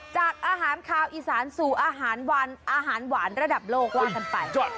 จากอาหารคาวอีสานสู่อาหารวันอาหารหวานระดับโลกว่ากันไป